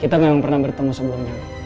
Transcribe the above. kita memang pernah bertemu sebelumnya